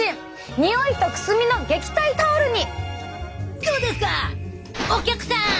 においとくすみの撃退タオルに！